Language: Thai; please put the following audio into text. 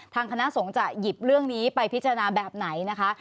คณะสงฆ์จะหยิบเรื่องนี้ไปพิจารณาแบบไหนนะคะ